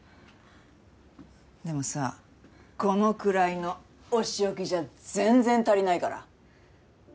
でもさこのくらいのお仕置きじゃ全然足りないから。